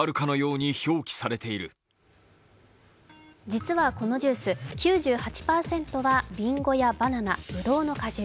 実はこのジュース、９８％はりんごやバナナ、ぶどうの果汁。